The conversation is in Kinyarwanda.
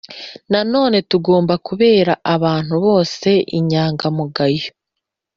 Nanone tugomba kubera abantu bose inyangamugayo